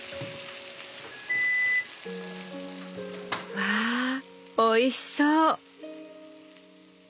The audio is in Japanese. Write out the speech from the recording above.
わあおいしそう！